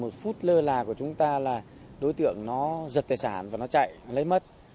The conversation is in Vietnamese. thủ đoạn của chúng ta là đối tượng nó giật tài sản và nó chạy lấy mất